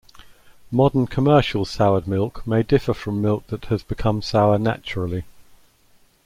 Modern commercial soured milk may differ from milk that has become sour naturally.